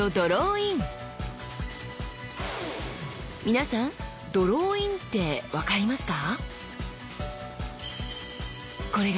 皆さん「ドローイン」って分かりますか？